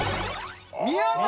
宮崎！